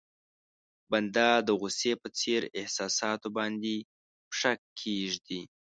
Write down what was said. بنده د غوسې په څېر احساساتو باندې پښه کېږدي.